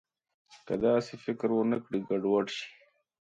که داسې فکر ونه کړي، ګډوډ شي.